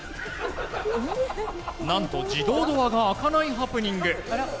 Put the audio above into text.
何と自動ドアが開かないハプニング。